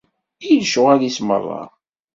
I lecɣwal-is merra!